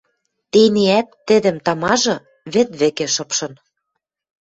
Тенеӓт тӹдӹм тамажы вӹд вӹкӹ шыпшын.